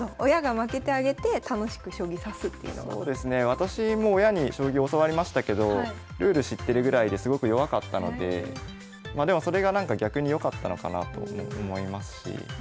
私も親に将棋教わりましたけどルール知ってるぐらいですごく弱かったのでまあでもそれがなんか逆に良かったのかなと思いますし。